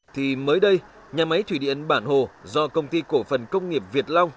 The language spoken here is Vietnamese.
thì mới đây nhà máy thủy điện bản hồ do công ty cổ phần công nghiệp việt long